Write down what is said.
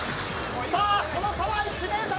さあその差は１ｍ！